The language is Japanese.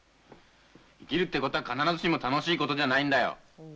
生きるってことは必ずしも楽しいことじゃないんだよ